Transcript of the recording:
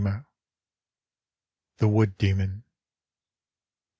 THE WOOD DEMON.